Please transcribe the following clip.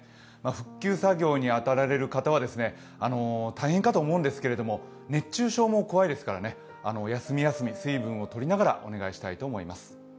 復旧作業に当たられる方は大変かと思うんですけれども、熱中症も怖いですから休み休み水分を取りながらお願いしたいと思います。